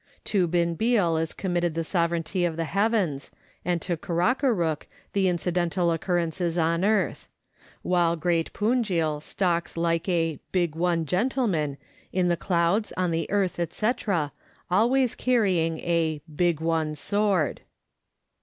To Binbeal is committed the sovereignty of the heavens, and to Karakarook the incidental occurrences on earth ; while great Punjil stalks like a " big one gentleman " in the clouds, on the earth, &c., always carrying a " big one sword."